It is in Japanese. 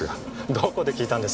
どこで聞いたんです？